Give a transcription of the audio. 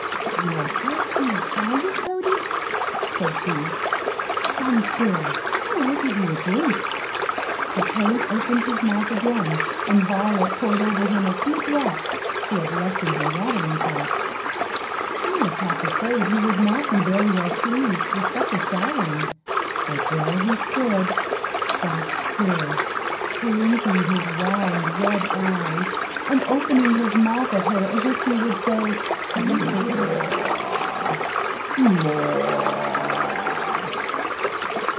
"You're thirsty, are you, toady?" said she; "stand still, and I'll give you a drink." The toad opened his mouth again, and Violet poured over him a few drops she had left in her watering pot. She was half afraid he would not be very well pleased with such a showering; but there he stood, stock still, blinking his round red eyes, and opening his mouth at her as if he would say, "More more!"